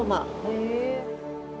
へえ！